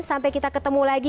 sampai kita ketemu lagi